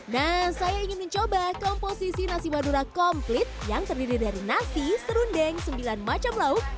nah saya ingin mencoba komposisi nasi madura komplit yang terdiri dari nasi serundeng sembilan macam lauk